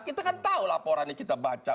kita kan tahu laporannya kita baca